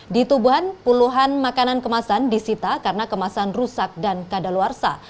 di tuban puluhan makanan kemasan disita karena kemasan rusak dan kadaluarsa